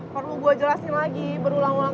perlu gue jelasin lagi berulang ulang